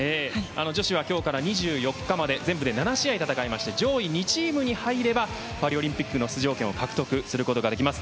女子は今日から２４日まで全部で７試合戦いまして上位２チームに入ればパリオリンピックの出場権を獲得することができます。